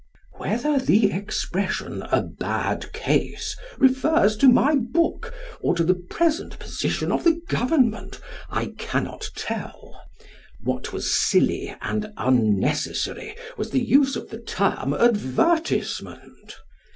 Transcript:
Whether the expression "A Bad Case" refers to my book or to the present position of the Government, I cannot tell. What was silly and unnecessary was the use of the term "advertisement".